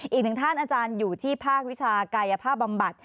อีกหนึ่งท่านอาจารย์อยู่ที่ภาควิชากายภาพบำบัด